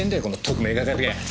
この特命係が！